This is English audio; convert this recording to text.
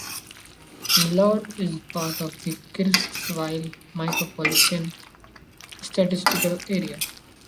Millard is part of the Kirksville Micropolitan Statistical Area.